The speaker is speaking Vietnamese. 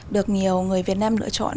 được nhiều người việt nam lựa chọn